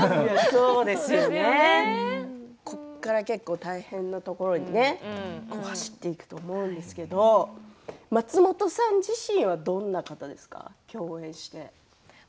ここから大変なところに走っていくと思うんですが松本さん自身はどんな方ですか？